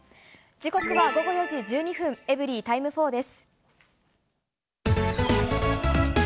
時刻は午後４時１２分、エブリィタイム４です。